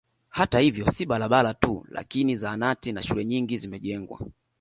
Hata hivyo si barabara tu lakini zahanati na shule nyingi zimejengwa